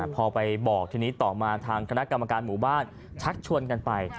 พอไปบอกทีนี้ต่อมาทางคณะกรรมการหมู่บ้านชักชวนกันไป